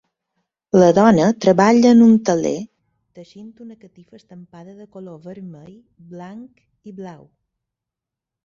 La dona treballa en un teler teixint una catifa estampada de color vermell, blanc i blau.